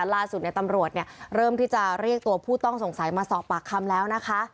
ล่าสุดตำรวจเริ่มที่จะเรียกตัวผู้ต้องสงสัยมาสอบปากคำแล้วนะคะ